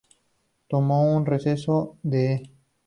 Tomó un receso de E!